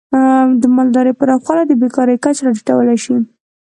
د مالدارۍ پراخوالی د بیکاری کچه راټیټولی شي.